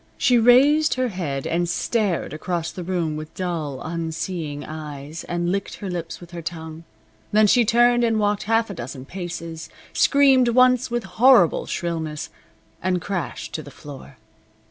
She raised her head and stared across the room with dull, unseeing eyes, and licked her lips with her tongue. Then she turned and walked half a dozen paces, screamed once with horrible shrillness, and crashed to the floor.